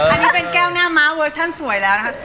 อันนี้เป็นแก้วหน้าม้าเวอร์ชั่นสวยแล้วนะคะ